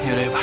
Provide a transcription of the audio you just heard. yaudah ya pak